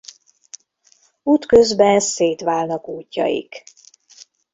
Útközben szétválnak útjaik.